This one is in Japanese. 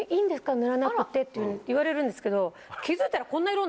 塗らなくて」って言われるんですけど。